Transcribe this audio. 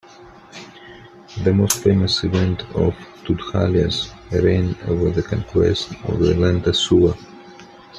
The most famous event of Tudhaliya's reign was his conquest of the land Assuwa.